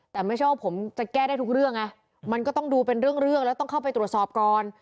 แต่ไม่ใช่ว่าผมจะแก้ได้ทุกเรื่องไงมันก็ต้องดูเป็นเรื่องแล้วต้องเข้าไปตรวจสอบก่อน